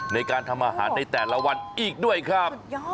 ในการทำอาหารในแต่ละวันอีกด้วยครับ